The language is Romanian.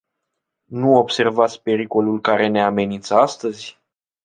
Nu observați pericolul care ne amenință astăzi?